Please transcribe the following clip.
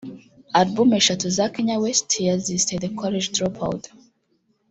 Album eshatu za Kanye West yazise ‘The College Dropout’